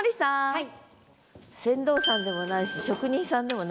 はい。